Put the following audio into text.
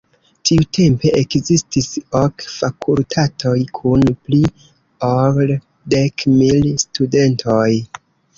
Tiutempe ekzistis ok fakultatoj kun pli ol dek mil studentoj.